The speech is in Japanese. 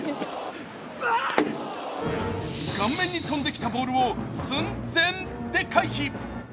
顔面に飛んできたボールを寸前で回避。